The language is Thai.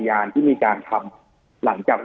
จนถึงปัจจุบันมีการมารายงานตัว